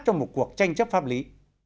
trong một cuộc tranh chấp pháp lý